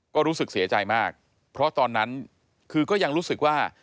ก็รู้สึกเสียใจมากเพราะตอนนั้นคือก็ยังรู้สึกว่า